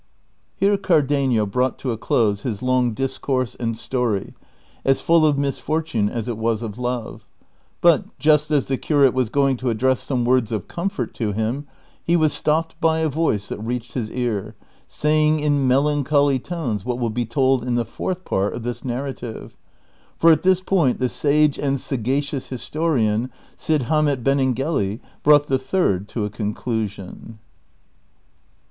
225 Here Cardenio brought to a close his long discourse and story, as full of misfortune as it was of love; but just as the curate was going to address some words of comfort to him, he was stopped by a voice that reached his ear, saying in melan choly tones what will be told in the Fourth Part of this narra tive : for at this point the sage and sagacious historian, Cid Hamet Benengeli, brought the third to a conclusion.